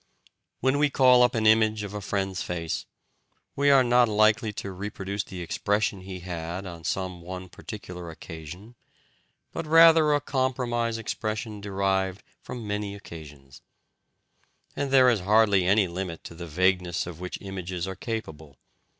When we call up an image of a friend's face, we are not likely to reproduce the expression he had on some one particular occasion, but rather a compromise expression derived from many occasions. And there is hardly any limit to the vagueness of which images are capable.